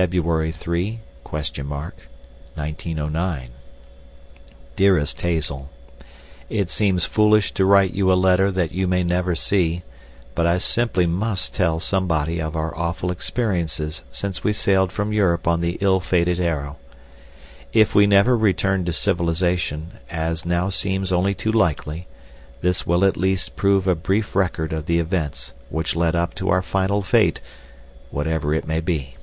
February 3 (?), 1909. DEAREST HAZEL: It seems foolish to write you a letter that you may never see, but I simply must tell somebody of our awful experiences since we sailed from Europe on the ill fated Arrow. If we never return to civilization, as now seems only too likely, this will at least prove a brief record of the events which led up to our final fate, whatever it may be.